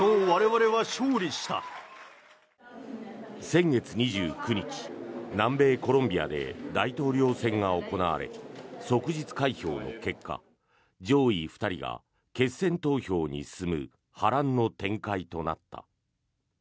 先月２９日、南米コロンビアで大統領選が行われ即日開票の結果上位２人が決選投票に進む波乱の展開となった。